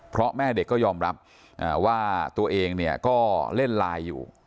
เพราะแม่เด็กก็ยอมรับว่าตัวเองเนี่ยก็เล่นไลน์อยู่